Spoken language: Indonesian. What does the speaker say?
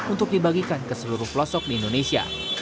untuk dibagikan ke seluruh pelosok di indonesia